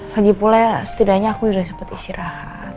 lagipula ya setidaknya aku udah sempet istirahat